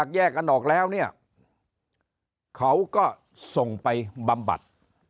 เขาก็ส่งไปบำบัด